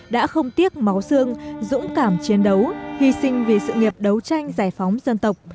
đã không tiếc máu xương dũng cảm chiến đấu hy sinh vì sự nghiệp đấu tranh giải phóng dân tộc